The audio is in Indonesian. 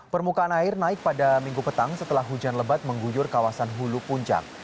permukaan air naik pada minggu petang setelah hujan lebat mengguyur kawasan hulu puncak